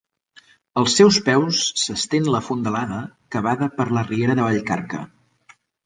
Als seus peus s'estén la fondalada cavada per la riera de Vallcarca.